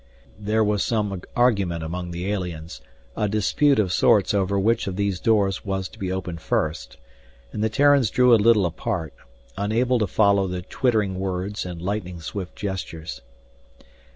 There was some argument among the aliens, a dispute of sorts over which of those doors was to be opened first, and the Terrans drew a little apart, unable to follow the twittering words and lightning swift gestures.